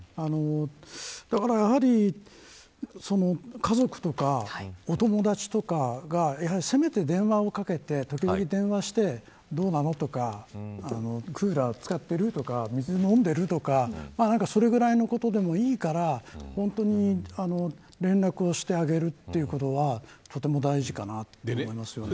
だからやはり家族とかお友達とかがせめて電話をかけてどうなのとかクーラー使っているとか水飲んでるとかそれくらいのことでもいいから連絡をしてあげるということはとても大事かなと。